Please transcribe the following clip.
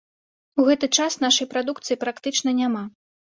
У гэты час нашай прадукцыі практычна няма.